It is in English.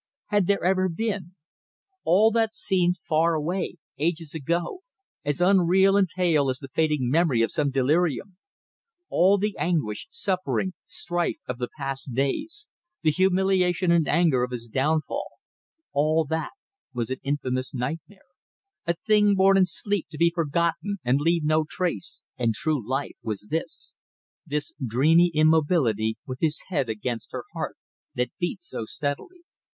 Had there ever been? All that seemed far away, ages ago as unreal and pale as the fading memory of some delirium. All the anguish, suffering, strife of the past days; the humiliation and anger of his downfall; all that was an infamous nightmare, a thing born in sleep to be forgotten and leave no trace and true life was this: this dreamy immobility with his head against her heart that beat so steadily.